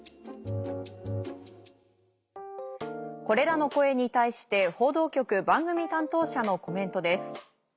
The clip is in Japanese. これらの声に対して報道局番組担当者のコメントです。